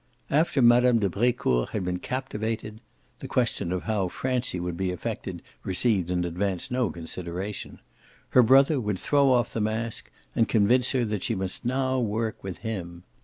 After Mme. de Brecourt had been captivated the question of how Francie would be affected received in advance no consideration her brother would throw off the mask and convince her that she must now work with him.